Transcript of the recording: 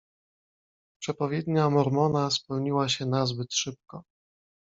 "Przepowiednia Mormona spełniła się nazbyt szybko."